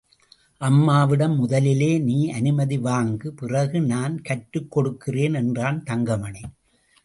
அம்மாவிடம் முதலிலே நீ அனுமதி வாங்கு பிறகு நான் கற்றுக் கொடுக்கிறேன் என்றான் தங்கமணி.